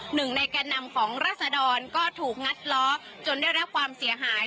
หนึ่งในแก่นำของราศดรก็ถูกงัดล้อจนได้รับความเสียหาย